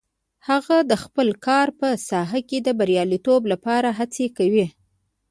هغه د خپل کار په ساحه کې د بریالیتوب لپاره هڅې کوي